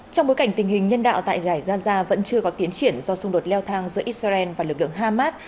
trong bối cảnh tình hình nhân đạo tại gãi gaza vẫn chưa có tiến triển do xung đột leo thang giữa israel và lực lượng hamas